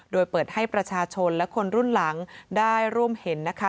โดยเปิดให้ประชาชนและคนรุ่นหลังได้ร่วมเห็นนะคะ